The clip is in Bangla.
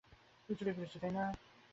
আপনি যে একজন বিখ্যাত ব্যক্তি তাও জানি।